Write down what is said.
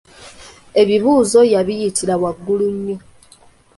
Ebibuuzo yabiyitira waggulu nnyo.